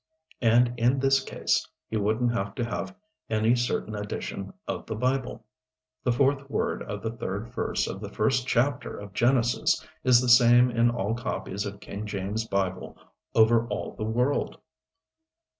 And in this case he wouldn't have to have any certain edition of the Bible. The fourth word of the third verse of the first chapter of Genesis is the same in all copies of King James' Bible over all the world.